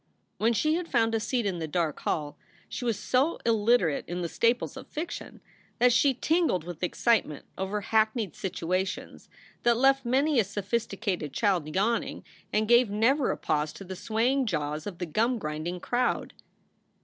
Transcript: When she had found a seat in the dark hall she was so illiterate in the staples of fiction that she tingled with excite ment over hackneyed situations that left many a sophisti cated child yawning and gave never a pause to the swaying jaws of the gum grinding crowd.